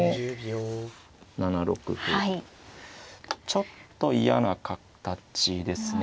ちょっと嫌な形ですね